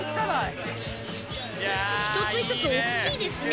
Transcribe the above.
１つ１つ大っきいですね